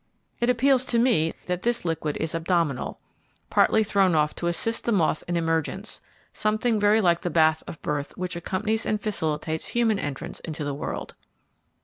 It appeals to me that this liquid is abdominal, partly thrown off to assist the moth in emergence; something very like that bath of birth which accompanies and facilitates human entrance into the world.